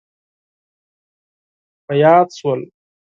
یاد شول.